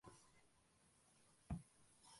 போர்க் கொடி உயர்த்துவர் அன்றோ?